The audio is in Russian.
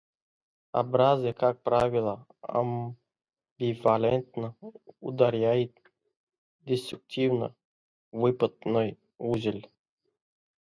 Абразия, как правило, амбивалентно ударяет десуктивно-выпотной узел.